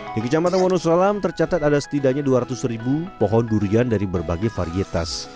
di kecamatan wonosalam tercatat ada setidaknya dua ratus ribu pohon durian dari berbagai varietas